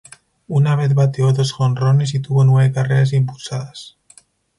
Una vez bateó dos jonrones y tuvo nueve carreras impulsadas.